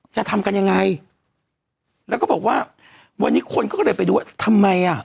จะทำกันยังไงแล้วก็บอกว่าวันนี้คนก็เลยไปดูว่าทำไมอ่ะ